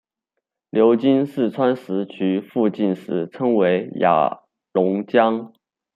流经四川石渠附近时称为雅砻江。